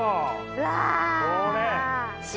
うわ！